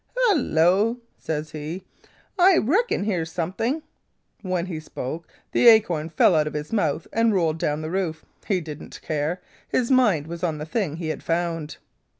"'Hello,' says he, 'I reckon here's something.' When he spoke, the acorn fell out of his mouth and rolled down on the roof. He didn't care; his mind was on the thing he had found.